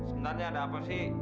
sebenarnya ada apa sih